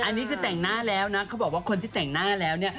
อันนี้คือแต่งหน้าแล้วนะเขาบอกว่าคนที่แต่งหน้าแล้วเนี่ย